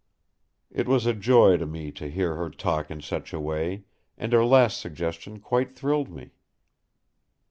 It was a joy to me to hear her talk in such a way; and her last suggestion quite thrilled me.